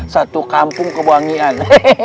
satu kampung kewangian